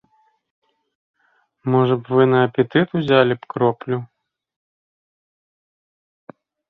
Можа б, вы на апетыт узялі б кроплю?